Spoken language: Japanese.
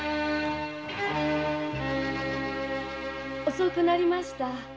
遅くなりました。